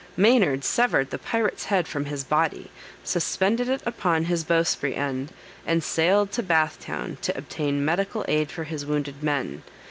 Maynard severed the pirate's head from his body, suspended it upon his bowsprit end, and sailed to Bath town, to obtain medical aid for his wounded men.